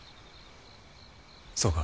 そうか。